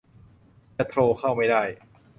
จะโทรเข้าไม่ได้